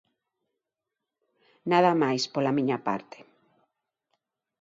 Nada máis, pola miña parte.